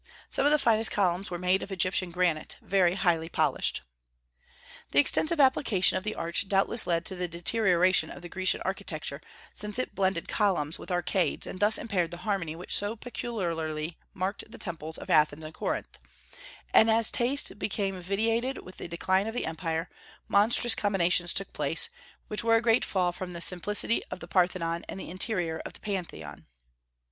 Some of the finest columns were made of Egyptian granite, very highly polished. The extensive application of the arch doubtless led to the deterioration of the Grecian architecture, since it blended columns with arcades, and thus impaired the harmony which so peculiarly marked the temples of Athens and Corinth; and as taste became vitiated with the decline of the empire, monstrous combinations took place, which were a great fall from the simplicity of the Parthenon and the interior of the Pantheon.